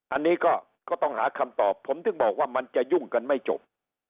อันนี้ก็ต้องหาคำตอบผมถึงบอกว่ามันจะยุ่งกันไม่จบ